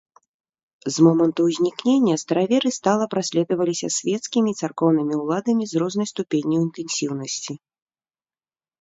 З моманту ўзнікнення стараверы стала праследаваліся свецкімі і царкоўнымі ўладамі з рознай ступенню інтэнсіўнасці.